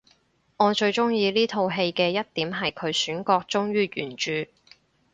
我最鍾意呢套戲嘅一點係佢選角忠於原著